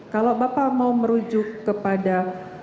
kalau bapak mau merujuk kepada